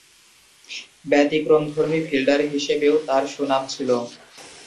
ব্যতিক্রমধর্মী fielder হিসেবেও তার সুনাম ছিল।